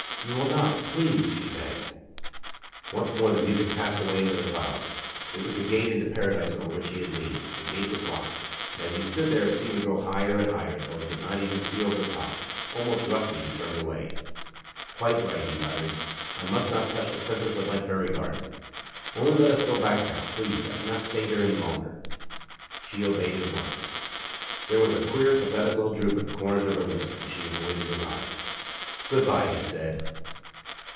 "You will not please!" she begged. Once more the music passed away into the clouds. It was the gate into Paradise over which he had leaned, but the gate was locked, and as he stood there it seemed to grow higher and higher, until he could not even see over the top. Almost roughly he turned away. "Quite right," he muttered. "I must not touch the Princess of my fairy garden. Only let us go back now, please. I cannot stay here any longer." She obeyed at once. There was a queer, pathetic little droop at the corners of her lips, and she avoided his eyes. "Good bye!" he said.